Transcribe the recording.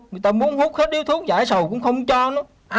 người ta muốn hút hết điếu thuốc giải sầu cũng không cho nó